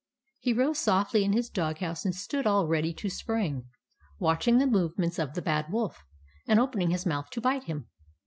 He rose softly in his dog house and stood all ready to spring, watching the movements of the Bad Wolf, and opening his mouth to bite him.